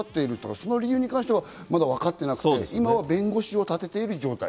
その理由に関してはまだわかっていなくて、今は弁護士を立てている状態。